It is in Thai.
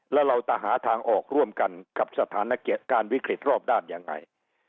แล้วเราจะหาทางออกร่วมกันกับสถานการณ์การวิกฤตรอบด้านยังไง